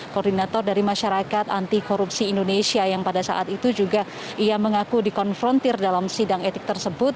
koordinator dari masyarakat anti korupsi indonesia yang pada saat itu juga ia mengaku dikonfrontir dalam sidang etik tersebut